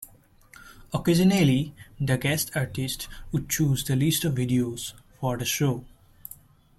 Occasionally, the guest artist would choose the list of videos for the show.